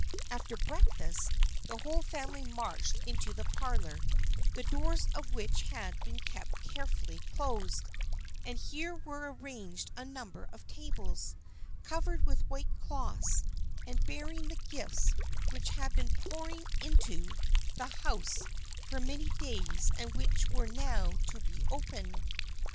After breakfast the whole family marched into the parlor, the doors of which had been kept carefully closed, and here were arranged a number of tables, covered with white cloths and bearing the gifts which had been pouring into the house for many days and which were now to be opened.